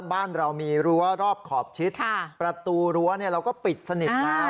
บ้านเรามีรั้วรอบขอบชิดประตูรั้วเราก็ปิดสนิทนะ